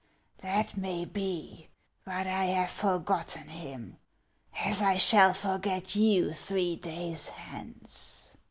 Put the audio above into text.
"" That may be, but I have forgotten him, as I shall forget you three days hence."